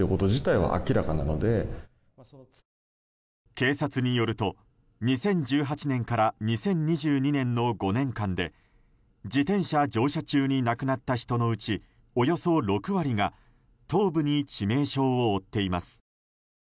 警察によると、２０１８年から２０２２年の５年間で自転車乗車中に亡くなった人のうちおよそ６割が頭部に致命傷を負っています。